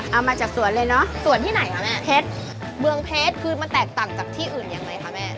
เอามาจากสวนเลยเนอะสวนที่ไหนคะแม่เพชรเมืองเพชรคือมันแตกต่างจากที่อื่นยังไงคะแม่